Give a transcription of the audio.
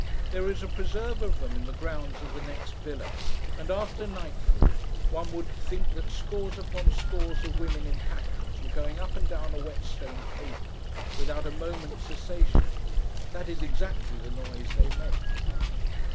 There is a preserve of them in the grounds of the next villa; and after nightfall, one would think that scores upon scores of women in pattens were going up and down a wet stone pavement without a moment's cessation. That is exactly the noise they make.